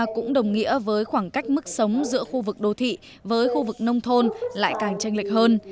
cũng đồng nghĩa với khoảng cách mức sống giữa khu vực đô thị với khu vực nông thôn lại càng tranh lệch hơn